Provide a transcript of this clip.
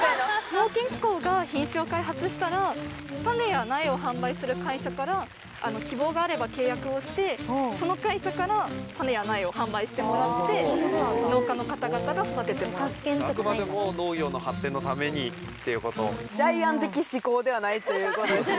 農研機構が品種を開発したら種や苗を販売する会社から希望があれば契約をしてその会社から種や苗を販売してもらって農家の方々が育ててもらう。っていうこと。ということですね。